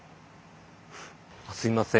すみません。